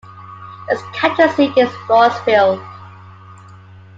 Its county seat is Floresville.